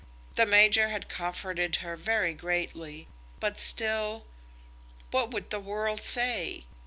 The major had comforted her very greatly; but still, what would the world say?